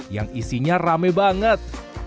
yang isinya rame banget